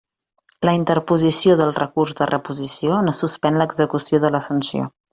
La interposició del recurs de reposició no suspèn l'execució de la sanció.